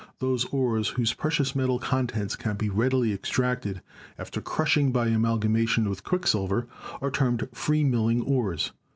Those ores whose precious metal contents can be readily extracted after crushing, by amalgamation with quicksil ver, are termed 'free milling ores.'